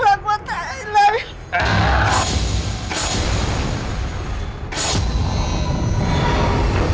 jangan kamu dari sini aku tidak mau